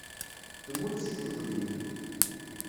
Temmut seg tuggdi.